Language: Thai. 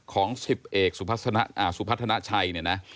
ของ๑๐เอกสุภาธนาชัย